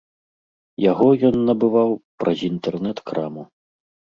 Яго ён набываў праз інтэрнэт-краму.